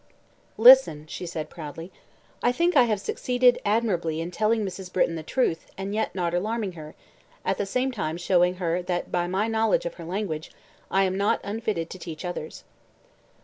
"Listen," she said proudly, "I think I have succeeded admirably in telling Mrs. Britton the truth and yet not alarming her, at the same time showing her that by my knowledge of her language I am not unfitted to teach others."